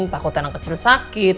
takutan yang kecil sakit